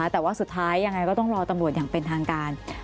แต่ว่าสุดท้ายยังไงก็ต้องรอตำรวจอย่างเป็นทางการ